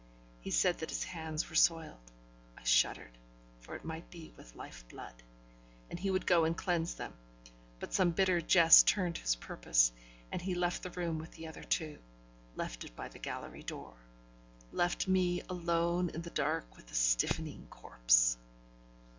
He said that his hands were soiled (I shuddered, for it might be with life blood), and he would go and cleanse them; but some bitter jest turned his purpose, and he left the room with the other two left it by the gallery door. Left me alone in the dark with the stiffening corpse!